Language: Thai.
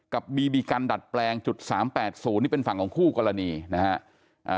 กับบีบีกันดัดแปลง๓๘๐นี่เป็นฝั่งของคู่กรณีนะฮะ